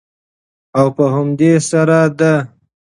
او په همدې سره د